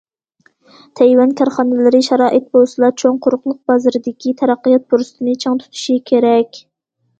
تەيۋەن كارخانىلىرى شارائىت بولسىلا چوڭ قۇرۇقلۇق بازىرىدىكى تەرەققىيات پۇرسىتىنى چىڭ تۇتۇشى كېرەك.